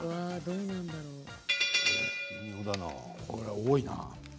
これ多いな。